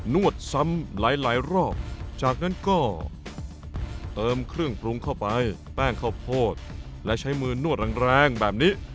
วดซ้ำหลายรอบจากนั้นก็เติมเครื่องปรุงเข้าไปแป้งข้าวโพดและใช้มือนวดแรงแบบนี้